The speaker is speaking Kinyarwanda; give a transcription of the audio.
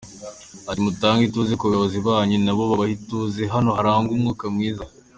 Ati “Mutange ituze ku bayobozi banyu na bo babahe ituze, hano harangwe umwuka mwiza.